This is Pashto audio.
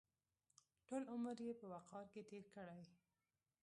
ټول عمر یې په وقار کې تېر کړی.